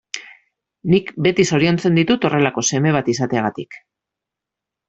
Nik beti zoriontzen ditut horrelako seme bat izateagatik.